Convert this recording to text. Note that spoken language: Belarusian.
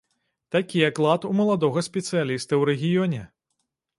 Такі аклад у маладога спецыяліста ў рэгіёне.